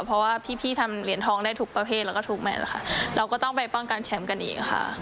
เพราะว่าพี่พี่ทำเหรียญทองได้ทุกประเภทแล้วก็ทุกแมทค่ะเราก็ต้องไปป้องกันแชมป์กันอีกค่ะ